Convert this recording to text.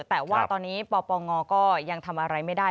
แต่ว่าตอนนี้ปปงก็ยังทำอะไรไม่ได้